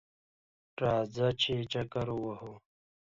راځه ! چې چکر ووهو